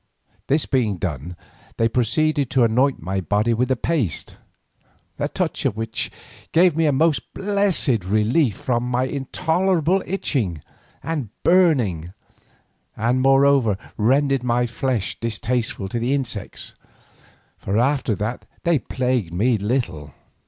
This being done, they proceeded to anoint my body with the paste, the touch of which gave me a most blessed relief from my intolerable itching and burning, and moreover rendered my flesh distasteful to the insects, for after that they plagued me little.